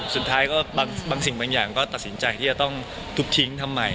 สุดท้ายก็บางสิ่งบางอย่างก็ตัดสินใจที่จะต้องทุบทิ้งทำไม